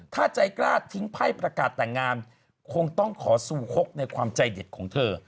ถ้าใจกล้าทิ้งไพ่ประกาศแต่งงานคงต้องขอสู่ฮกในความใจเด็ดของเธอ